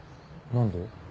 何で？